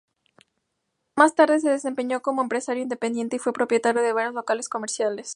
Más tarde, se desempeñó como empresario independiente y fue propietario de varios locales comerciales.